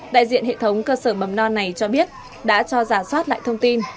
đại diện hệ thống cơ sở mầm non này cho biết đã cho giả soát lại thông tin